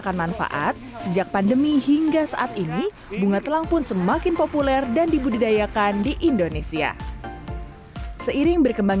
kalau untuk satu kali serving atau penyajian berarti sampai setengahnya gelas ini